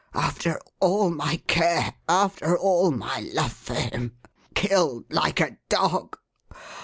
After all my care; after all my love for him! Killed like a dog.